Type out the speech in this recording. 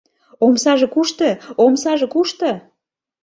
— Омсаже кушто, омсаже кушто?